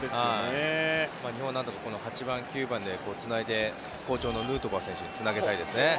日本はこのあとの８番、９番でつないで好調のヌートバー選手につなぎたい。